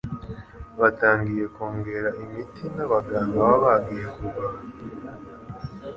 batangiye kongera imiti n'abaganga baba bagiye kurwana.